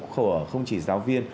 khổ không chỉ giáo viên